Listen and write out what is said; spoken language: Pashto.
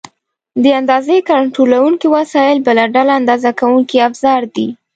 د اندازې کنټرولونکي وسایل بله ډله اندازه کوونکي افزار دي.